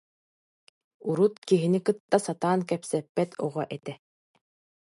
Урут киһини кытта сатаан кэпсэппэт оҕо этэ